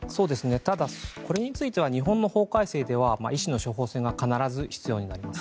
ただ、これについては日本の法改正では医師の処方箋が必ず必要になります。